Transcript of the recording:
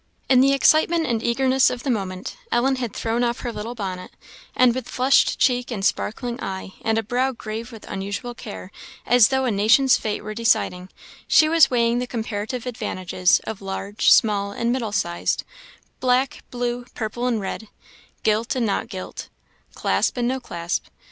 In the excitement and eagerness of the moment, Ellen had thrown off her little bonnet, and with flushed cheek and sparkling eye, and a brow grave with unusual care, as though a nation's fate were deciding, she was weighing the comparative advantages of large, small, and middle sized black, blue, purple, and red gilt and not gilt clasp and no clasp.